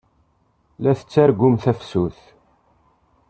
La tettargum tafsut!